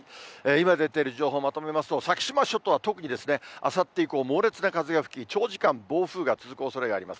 今出ている情報をまとめますと、先島諸島は特にあさって以降、猛烈な風が吹き、長時間、暴風が続くおそれがあります。